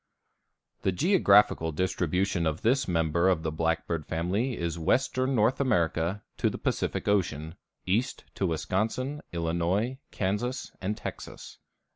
_) The geographical distribution of this member of the blackbird family is western North America to the Pacific Ocean, east to Wisconsin, Illinois, Kansas, and Texas.